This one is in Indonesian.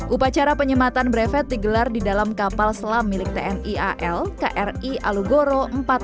upacara penyematan brevet digelar di dalam kapal selam milik tni al kri alugoro empat ratus dua